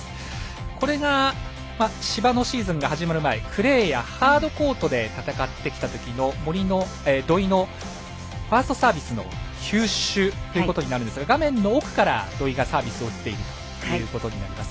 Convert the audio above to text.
これが、芝のシーズンが始まる前クレーやハードコートで戦ってきたときの土居のファーストサービスの球種ということになるんですが画面の奥から土居がサービスを打っているということになります。